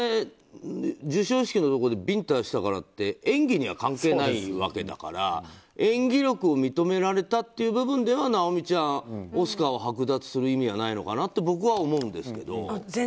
授賞式のところでビンタしたからって演技には関係ないわけだから演技力を認められたという部分では尚美ちゃん、オスカーを剥奪する意味はないのかなと僕は思うんですけど。